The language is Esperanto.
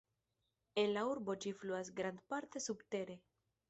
En la urbo ĝi fluas grandparte subtere.